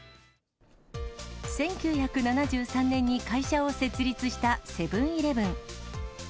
１９７３年に会社を設立したセブンーイレブン。